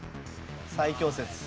最強説。